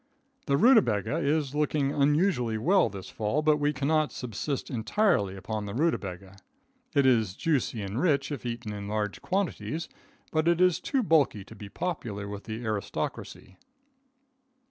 The ruta baga is looking unusually well this fall, but we cannot subsist entirely upon the ruta baga. It is juicy and rich if eaten in large quantities, but it is too bulky to be popular with the aristocracy.